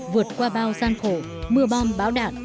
vượt qua bao gian khổ mưa bom bão đạn